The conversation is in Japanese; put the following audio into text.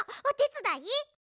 おてつだい？